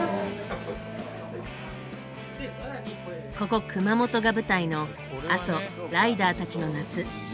ここ熊本が舞台の「阿蘇・ライダーたちの夏」。